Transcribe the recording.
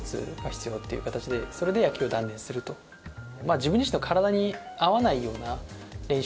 自分自身の体に合わないような練習。